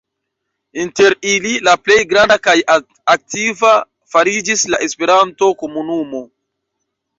Inter ili la plej granda kaj aktiva fariĝis la Esperanto-komunumo.